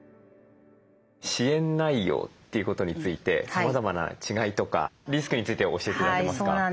支援内容ということについてさまざまな違いとかリスクについて教えて頂けますか。